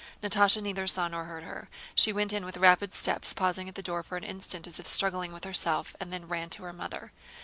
Natásha neither saw nor heard her. She went in with rapid steps, pausing at the door for an instant as if struggling with herself, and then ran to her mother.